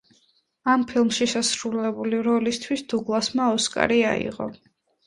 ამ ფილმში შესრულებული როლისთვის დუგლასმა ოსკარი აიღო.